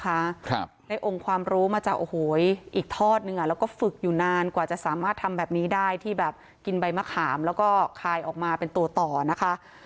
ครับได้องค์ความรู้มาจากโอ้โหอีกทอดหนึ่งอ่ะแล้วก็ฝึกอยู่นานกว่าจะสามารถทำแบบนี้ได้ที่แบบกินใบมะขามแล้วก็คายออกมาเป็นตัวต่อนะคะ